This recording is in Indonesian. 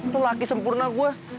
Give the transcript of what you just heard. lelaki sempurna gua